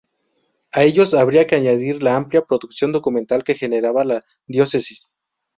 A ellos habría que añadir la amplia producción documental que generaba la Diócesis.